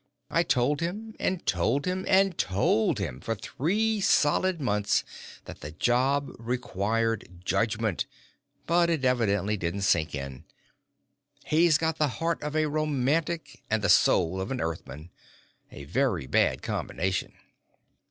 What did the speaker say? I told him and told him and told him for three solid months that the job required judgment, but it evidently didn't sink in. He's got the heart of a romantic and the soul of an Earthman a very bad combination."